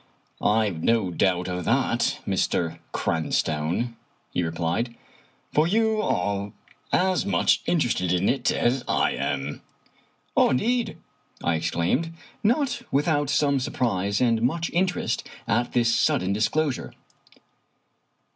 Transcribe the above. " I've no doubt of that, Mr. Cranstoun," he replied, " for you are as much interested in it as I am." "Indeed!" I exclaimed, not without some surprise and much interest at this sudden disclosure.